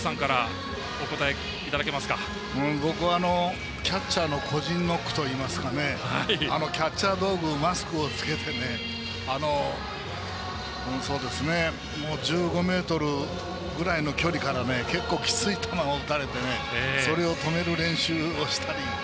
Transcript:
僕はキャッチャーの個人ノックといいますかキャッチャー道具マスクをつけてね１５ｍぐらいの距離から結構、きつい球を打たれてそれを止める練習をしたり。